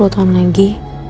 sepuluh tahun lagi